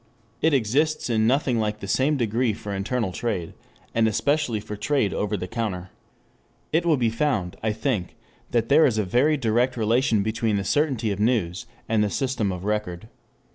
It exists in nothing like the same degree for internal trade, and especially for trade over the counter. It will be found, I think, that there is a very direct relation between the certainty of news and the system of record.